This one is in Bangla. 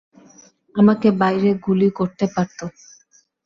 আমাকে বাইরে গুলি করতে পারত।